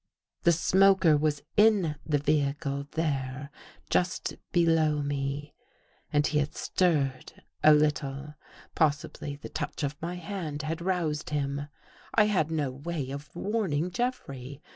The smoker was in the vehicle there just below me, and he had stirred a little. Possibly the touch of my hand had roused him. I had no way of warning Jeffrey.